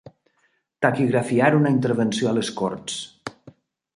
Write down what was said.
Taquigrafiar una intervenció a les Corts.